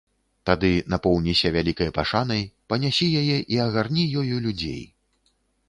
Тады напоўніся вялікай пашанай, панясі яе і агарні ёю людзей.